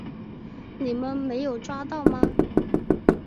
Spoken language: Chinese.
你们没有抓到吗？